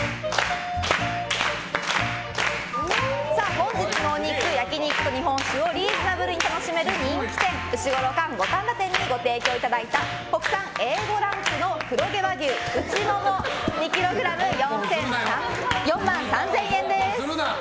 本日のお肉、焼き肉と日本酒をリーズナブルに楽しめる人気店うしごろ貫五反田店にご提供いただいた国産Ａ５ランクの黒毛和牛内モモ２ｋｇ４万３０００円です。